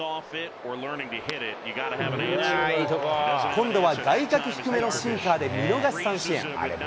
今度は外角低めのシンカーで見逃し三振。